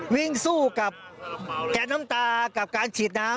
วิ่งสู้กับแก๊สน้ำตากับการฉีดน้ำ